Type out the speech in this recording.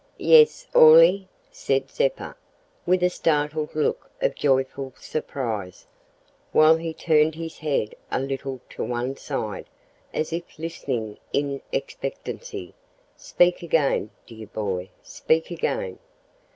"Yes, Orley?" said Zeppa, with a startled look of joyful surprise, while he turned his head a little to one side, as if listening in expectancy; "speak again, dear boy; speak again.